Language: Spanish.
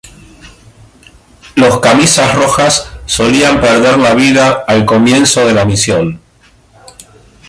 Los camisas rojas solían perder la vida al comienzo de la misión.